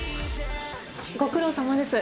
ご苦労さまです。